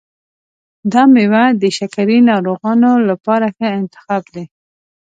دا میوه د شکرې ناروغانو لپاره ښه انتخاب دی.